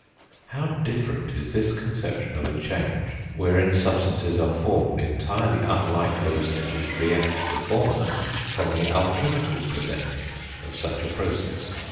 How different is this conception of a change wherein substances are formed, entirely unlike those things which react to form them, from the alchemical presentment of such a process!